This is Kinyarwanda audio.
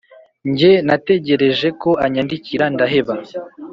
njye nategereje ko anyandikira ndaheba